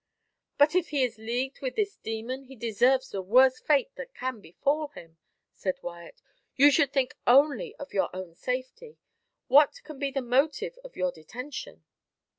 "But if he is leagued with this demon he deserves the worst fate that can befall him," said Wyat. "You should think only of your own safety. What can be the motive of your detention?"